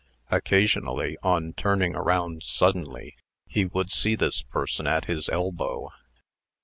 Occasionally, on turning around suddenly, he would see this person at his elbow.